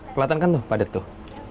kelihatan kan padat tuh